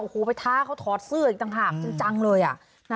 โอ้โหไปท้าเขาถอดเสื้ออีกต่างหากจริงจังเลย